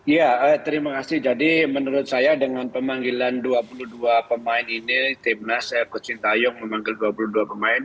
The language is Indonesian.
ya terima kasih jadi menurut saya dengan pemanggilan dua puluh dua pemain ini timnas kocintayong memanggil dua puluh dua pemain